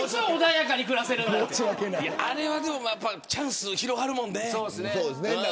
あれはチャンス広がるもんね。